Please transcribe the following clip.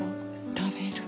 食べる。